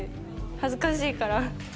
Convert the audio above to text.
恥ずかしいから。